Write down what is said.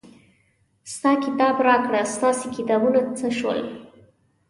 ستا کتاب راکړه ستاسې کتابونه څه شول.